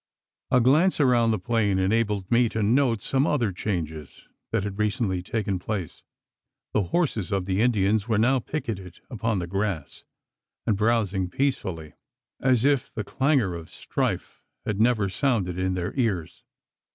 A glance around the plain enabled me to note some other changes that had recently taken place. The horses of the Indians were now picketed upon the grass, and browsing peacefully as if the clangour of strife had never sounded in their ears.